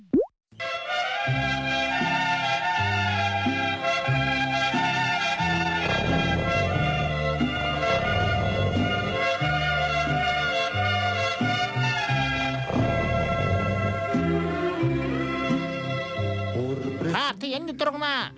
ภาพที่เห็นอยู่ตรงมา